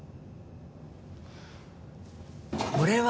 これは。